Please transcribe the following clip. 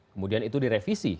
kemudian itu direvisi